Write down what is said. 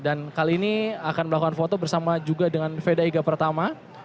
dan kali ini akan melakukan foto bersama juga dengan veda iga pertama